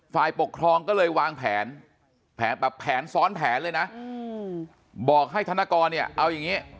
ฝ่ายปกครองก็เลยวางแผนแบบแผนซ้อนแผนเลยนะบอกให้ธนกรเนี่ยเอาอย่างนี้